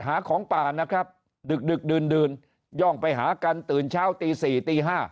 หาของป่านะครับดึกดื่นย่องไปหากันตื่นเช้าตี๔ตี๕